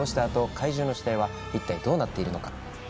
あと怪獣の死体は一体どうなっているのか？